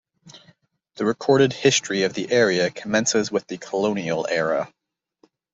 The recorded history of the area commences with the colonial era.